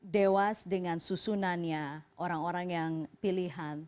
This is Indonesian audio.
dewas dengan susunannya orang orang yang pilihan